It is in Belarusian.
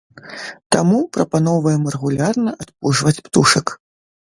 Таму прапаноўваем рэгулярна адпужваць птушак.